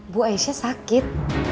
bu aisyah sakit